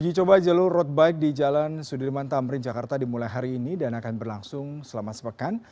uji coba jalur road bike di jalan sudirman tamrin jakarta dimulai hari ini dan akan berlangsung selama sepekan